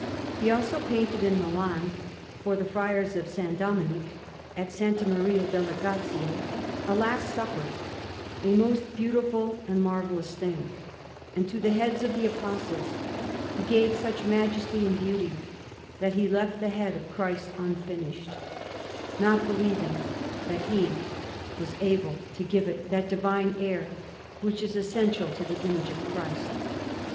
He also painted in Milan, for the Friars of S. Dominic, at S. Maria delle Grazie, a Last Supper, a most beautiful and marvellous thing; and to the heads of the Apostles he gave such majesty and beauty, that he left the head of Christ unfinished, not believing that he was able to give it that divine air which is essential to the image of Christ.